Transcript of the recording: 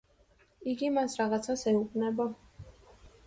იგი მას რაღაცას ეუბნება.